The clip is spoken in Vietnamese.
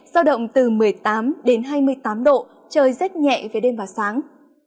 do động từ một mươi tám đến hai mươi tám độ trời rất nhẹ về đêm và sáng